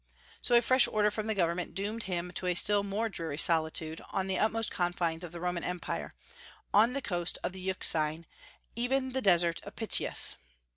So a fresh order from the Government doomed him to a still more dreary solitude, on the utmost confines of the Roman Empire, on the coast of the Euxine, even the desert of Pityus.